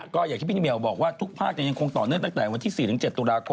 ก็อย่างที่พี่เหมียวบอกว่าทุกภาคยังคงต่อเนื่องตั้งแต่วันที่๔๗ตุลาคม